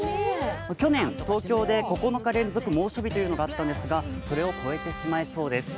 去年、東京で９日連続猛暑日というのがあったんですが、それを超えてしまいそうです。